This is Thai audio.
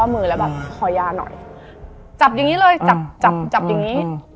ไม่ใช่จัง